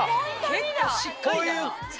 結構しっかりだな。